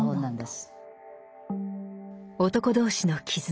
「男同士の絆